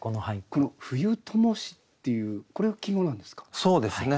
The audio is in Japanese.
この「冬ともし」っていうこれが季語なんですか？